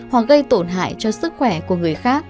hoặc gây tổn hại cho sức khỏe của người khác